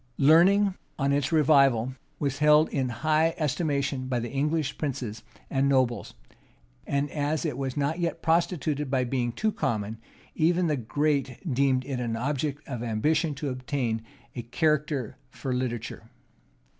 Learning, on its revival, was held in high estimation by the English princes and nobles; and as it was not yet prostituted by being too common, even the great deemed it an object of ambition to attain a character for literature.